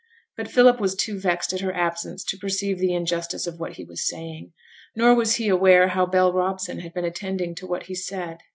But Philip was too vexed at her absence to perceive the injustice of what he was saying, nor was he aware how Bell Robson had been attending to what he said.